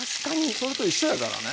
それと一緒やからね。